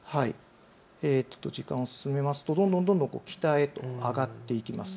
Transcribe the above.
時間を進めますとどんどん北へと上がっていきます。